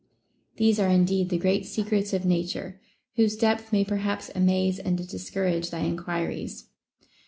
* These are indeed the great secrets of Nature, whose depth may perhaps amaze and discourage thy enquiries.